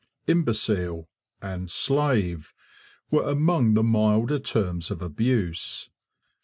'Imbecile' and 'slave' were among the milder terms of abuse.